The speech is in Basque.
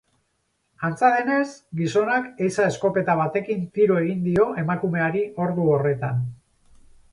Antza denez, gizonak ehiza-eskopeta batekin tiro egin dio emakumeari ordu horretan.